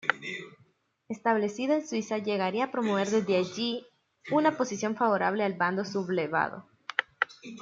Establecido en Suiza, llegaría a promover desde allí una posición favorable al bando sublevado.